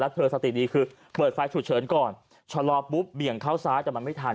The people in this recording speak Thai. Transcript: เธอสติดีคือเปิดไฟฉุกเฉินก่อนชะลอปุ๊บเบี่ยงเข้าซ้ายแต่มันไม่ทัน